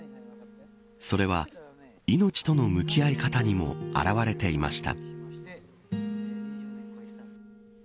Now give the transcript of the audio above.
それは命との向き合い方にも表れていました。